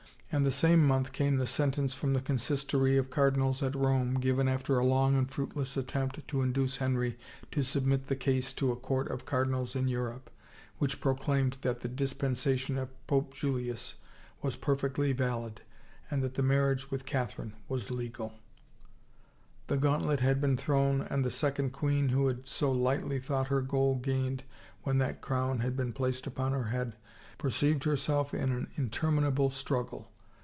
And the same month came the sentence from the consistory of cardinals at Rome, given after a long and fruitless attempt to induce Henry to submit the case to a court of cardinals in Europe, which proclaimed that the dispensation of Pope Julius was perfectly valid and that the marriage with Catherine was legal 1 The gaunt let had been thrown and the second queen who had so lightly thought her goal gained when that crown had been placed upon her head perceived herself in an in terminable struggle.